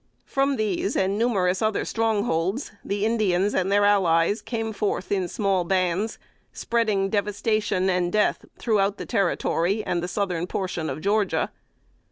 From these, and numerous other strong holds, the Indians and their allies came forth in small bands, spreading devastation and death throughout the Territory and the southern portion of Georgia.